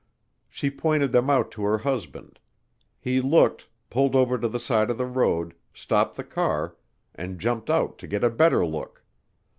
She pointed them out to her husband; he looked, pulled over to the side of the road, stopped the car, and jumped out to get a better look.